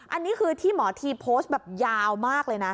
อันนี้คือที่หมอทีโพสต์แบบยาวมากเลยนะ